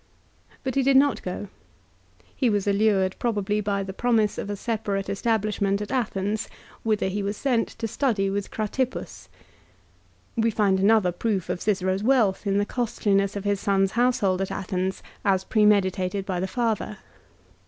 But he did not go. He was allured, probably, by the promise of a separate establishment at Athens, whither he was sent to study with Cratippus. We find another proof of Cicero's wealth in the costliness of his son's household at Athens, as premeditated by the father.